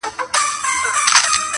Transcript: اوس به څوك د جلالا ګودر ته يوسي-